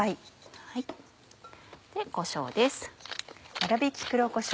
こしょうです。